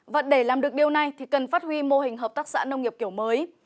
và để làm được điều này thì cần phát huy mô hình hợp tác xã nông nghiệp kiểu mới